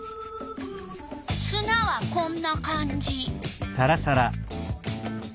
すなはこんな感じ。